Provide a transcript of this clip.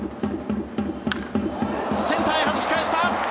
センターへはじき返した！